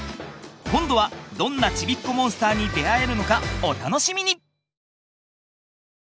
今度はどんなちびっこモンスターに出会えるのかお楽しみに！